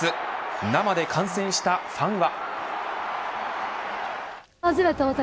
生で観戦したファンは。